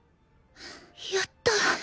やった！